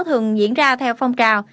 thường diễn ra theo phong trào